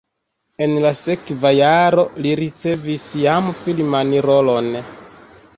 En la sekva jaro li ricevis jam filman rolon.